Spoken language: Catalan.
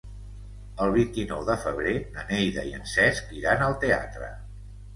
El vint-i-nou de febrer na Neida i en Cesc iran al teatre.